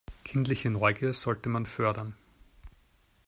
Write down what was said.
Kindliche Neugier sollte man fördern.